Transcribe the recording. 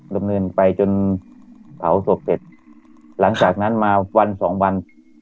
ดำเนินไปจนเผาศพเสร็จหลังจากนั้นมาวันสองวัน